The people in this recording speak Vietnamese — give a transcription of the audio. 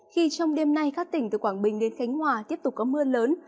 khi trong đêm nay các tỉnh từ quảng bình đến khánh hòa tiếp tục có mưa lớn